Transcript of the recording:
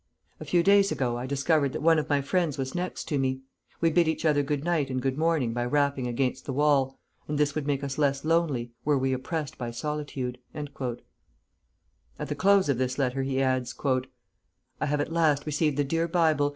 A few days ago I discovered that one of my friends was next to me. We bid each other good night and good morning by rapping against the wall, and this would make us less lonely, were we oppressed by solitude." At the close of this letter he adds, "I have at last received the dear Bible.